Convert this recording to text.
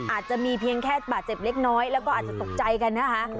อาจจะมีเพียงแค่บาดเจ็บเล็กน้อยแล้วก็อาจจะตกใจกันนะคะ